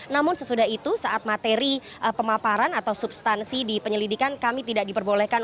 namun sesudah itu saat materi pemaparan atau substansi di penyelidikan kami tidak diperbolehkan